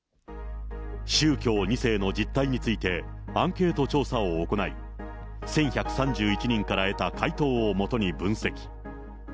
宗教２世の実態について、アンケート調査を行い、１１３１人から得た回答を基に分析。